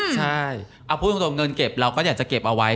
ใช่เอาพูดตรงเงินเก็บเราก็อยากจะเก็บเอาไว้